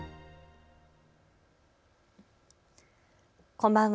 こんばんは。